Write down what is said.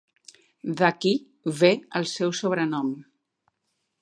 D'aquí ve el seu sobrenom.